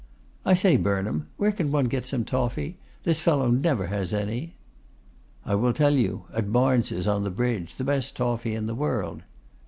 'I say, Burnham, where can one get some toffy? This fellow never has any.' 'I will tell you; at Barnes' on the bridge. The best toffy in the world.